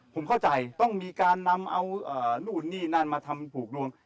ผมเข้าใจต้องมีการนำเอานู่นนี่นั่นมาทำผูกลวง